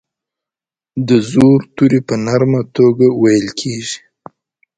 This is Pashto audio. د زور توری په نرمه توګه ویل کیږي.